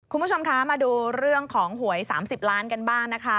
คุณผู้ชมคะมาดูเรื่องของหวย๓๐ล้านกันบ้างนะคะ